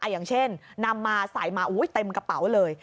อย่างเช่นนำมาใส่มาเต็มกระเป๋าเลย